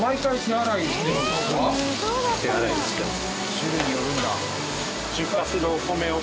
種類によるんだ。